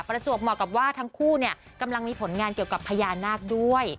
ประจวบเหมาะกับว่าทั้งคู่เนี่ยกำลังมีผลงานเกี่ยวกับพญานาคด้วย